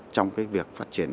trong cái việc phát triển